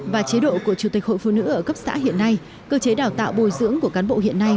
và chế độ của chủ tịch hội phụ nữ ở cấp xã hiện nay cơ chế đào tạo bồi dưỡng của cán bộ hiện nay